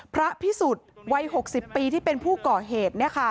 พระพิสุทธิ์วัย๖๐ปีที่เป็นผู้ก่อเหตุ